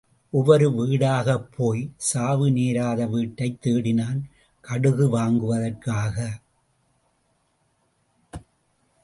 ஒவ்வொரு வீடாகப் போய்ச் சாவு நேராத வீட்டைத் தேடினான், கடுகு வாங்குவதற்காக.